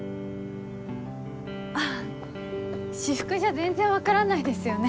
あ私服じゃ全然分からないですよね。